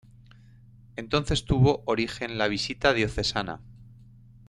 Entonces tuvo origen la visita diocesana.